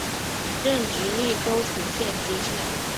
任直隶高淳县知县。